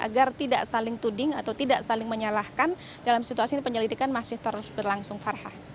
agar tidak saling tuding atau tidak saling menyalahkan dalam situasi ini penyelidikan masih terus berlangsung farha